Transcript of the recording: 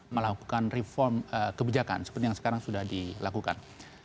melakukan reform kebijakan seperti yang sekarang sudah dilakukan